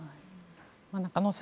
中野さん